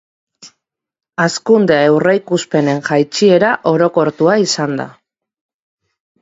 Hazkunde aurreikuspenen jaitsiera orokortua izan da.